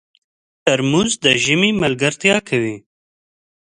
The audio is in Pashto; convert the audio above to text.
ترموز د ژمي ملګرتیا کوي.